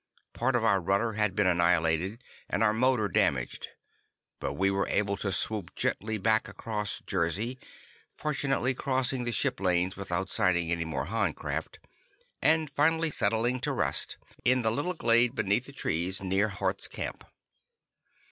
Part of our rudder had been annihilated, and our motor damaged. But we were able to swoop gently back across Jersey, fortunately crossing the ship lanes without sighting any more Han craft, and finally settling to rest in the little glade beneath the trees, near Hart's camp.